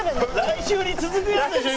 来週に続くやつでしょ